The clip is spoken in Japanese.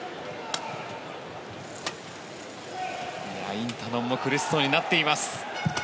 インタノンも苦しそうになっています。